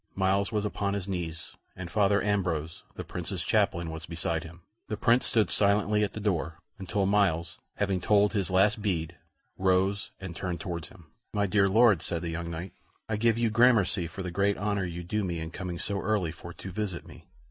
Myles was upon his knees, and Father Ambrose, the Prince's chaplain, was beside him. The Prince stood silently at the door, until Myles, having told his last bead, rose and turned towards him. "My dear Lord," said the young knight, "I give you gramercy for the great honor you do me in coming so early for to visit me."